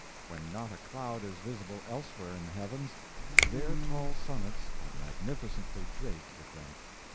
When not a cloud is visible elsewhere in the heavens, their tall summits are magnificently draped with them.